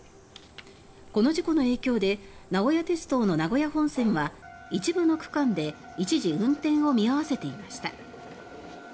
この事故の影響で名古屋鉄道の名古屋本線は一部の区間で一時運転を見合わせていました。